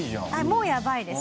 もうやばいです。